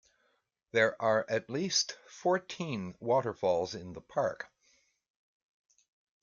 There are at least fourteen waterfalls in the park.